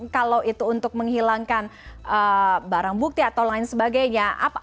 kalau itu untuk menghilangkan barang bukti atau lain sebagainya